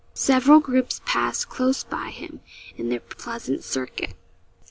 Several groups passed close by him, in their pleasant circuit.